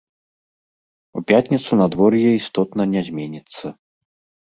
У пятніцу надвор'е істотна не зменіцца.